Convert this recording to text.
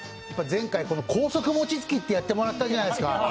前回、高速餅つきってやってもらったじゃないですか。